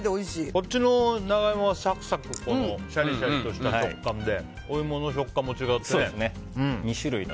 こっちの長イモはシャリシャリとした食感でお芋の食感も違ってね。